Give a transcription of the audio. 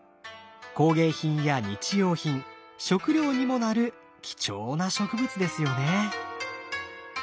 工芸品や日用品食料にもなる貴重な植物ですよね。